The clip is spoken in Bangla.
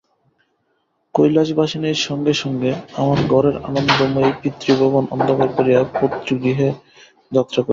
কৈলাসবাসিনীর সঙ্গে সঙ্গে আমার ঘরের আনন্দময়ী পিতৃভবন অন্ধকার করিয়া পতিগৃহে যাত্রা করিবে।